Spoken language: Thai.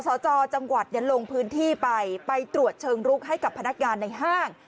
สจจังหวัดลงพื้นที่ไปไปตรวจเชิงลุกให้กับพนักงานในห้าง